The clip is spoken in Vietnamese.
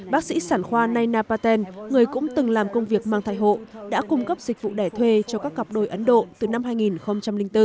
bác sĩ sản khoa nay napaten người cũng từng làm công việc mang thai hộ đã cung cấp dịch vụ đẻ thuê cho các cặp đôi ấn độ từ năm hai nghìn bốn